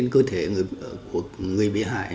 cơ thể của người bị hại